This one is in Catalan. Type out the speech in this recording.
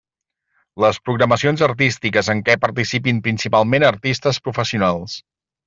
Les programacions artístiques en què participin principalment artistes professionals.